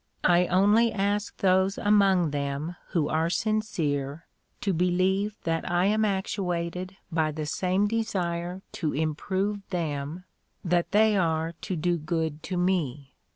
I only ask those among them who are sincere, to believe that I am actuated by the same desire to improve them that they are to do good to me.